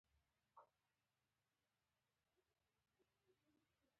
بنسټپالو ډلو ته د فعالیت مجال ورکړل شو.